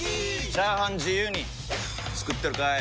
チャーハン自由に作ってるかい！？